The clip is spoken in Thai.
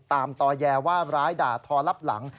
ต่อแยว่าร้ายด่าทอรับหลัง